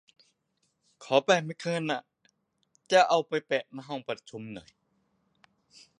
ขอแบบไม่เกิน อะ จะเอาไปแปะหน้าห้องประชุม